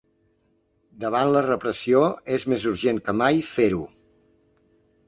Davant la repressió, és més urgent que mai fer-ho.